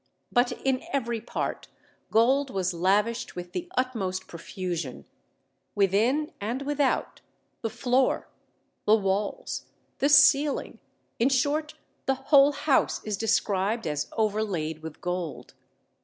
But in every part gold was lavished with the utmost profusion; within and without, the floor, the walls, the ceiling, in short, the whole house is described as overlaid with gold.